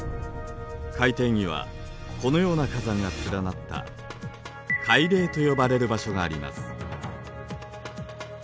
海底にはこのような火山が連なった「海嶺」と呼ばれる場所があります。